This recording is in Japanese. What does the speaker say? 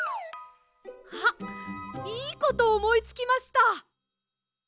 あっいいことおもいつきました！